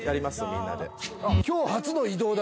みんなであ